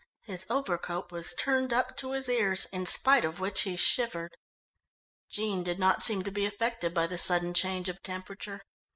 His overcoat was turned up to his ears, in spite of which he shivered. Jean did not seem to be affected by the sudden change of temperature.